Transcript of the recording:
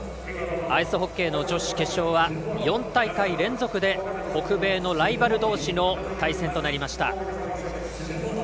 アイスホッケーの女子決勝は４大会連続で北米のライバル同士の対戦となりました。